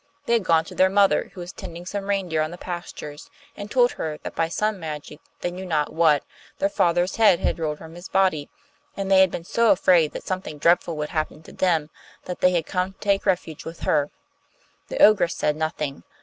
They had gone to their mother, who was tending some reindeer on the pastures, and told her that by some magic, they knew not what, their father's head had rolled from his body, and they had been so afraid that something dreadful would happen to them that they had come to take refuge with her. The ogress said nothing.